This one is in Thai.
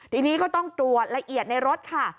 ทีนี้ก็ต้องตรวจละเอียดในรถค่ะ